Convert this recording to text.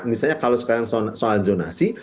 misalnya kalau sekarang soal zonasi